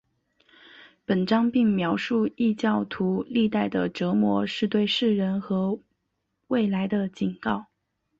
本章并描述异教徒历代的折磨是对世人和未来的警告。